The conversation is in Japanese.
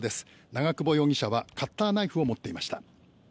長久保容疑者はカッターナイフを持っていました。